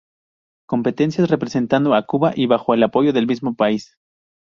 Competencias representando a Cuba, y bajo el apoyo del mismo país.